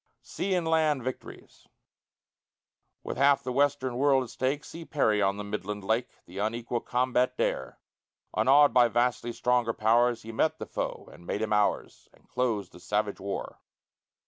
SEA AND LAND VICTORIES With half the Western world at stake, See Perry on the midland lake, The unequal combat dare; Unawed by vastly stronger pow'rs, He met the foe and made him ours, And closed the savage war.